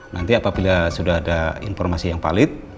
nanti apabila sudah ada informasi yang valid